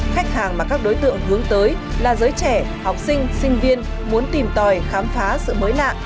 khách hàng mà các đối tượng hướng tới là giới trẻ học sinh sinh viên muốn tìm tòi khám phá sự mới lạ